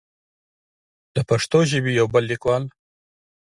د پښتو ژبې يو بل ليکوال